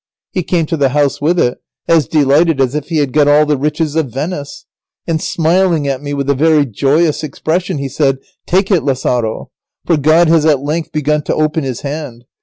He came to the house with it, as delighted as if he had got all the riches of Venice, and smiling at me with a very joyous expression, he said: "Take it, Lazaro, for God has at length begun to open His hand.